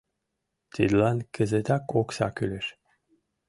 Тидлан кызытак окса кӱлеш.